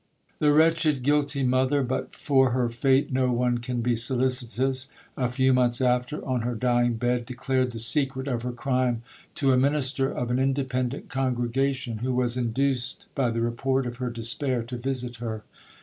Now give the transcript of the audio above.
'The wretched, guilty mother, (but for her fate no one can be solicitous), a few months after, on her dying bed, declared the secret of her crime to a minister of an independent congregation, who was induced, by the report of her despair, to visit her.